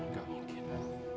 nggak mungkin bu